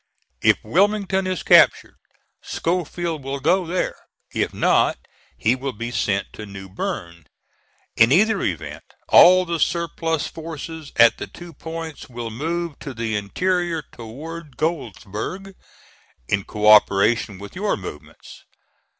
If Wilmington is captured, Schofield will go there. If not, he will be sent to New Bern. In either event, all the surplus forces at the two points will move to the interior toward Goldsboro' in co operation with your movements.